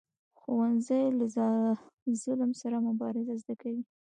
ښوونځی له ظلم سره مبارزه زده کوي